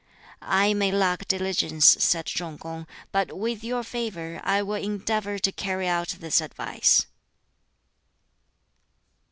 "I may lack diligence," said Chung kung, "but with your favor I will endeavor to carry out this advice."